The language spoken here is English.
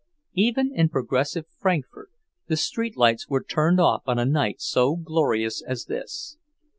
Even in progressive Frankfort, the street lights were turned off on a night so glorious as this.